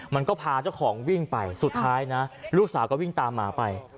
มันก็พาเจ้าของวิ่งไปสุดท้ายนะลูกสาวก็วิ่งตามหมาไป